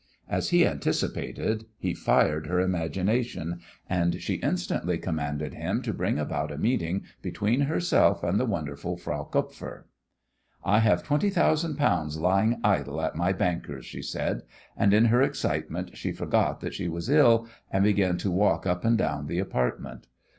As he anticipated he fired her imagination, and she instantly commanded him to bring about a meeting between herself and the wonderful Frau Kupfer. "I have twenty thousand pounds lying idle at my banker's," she said, and in her excitement she forgot that she was ill, and began to walk up and down the apartment.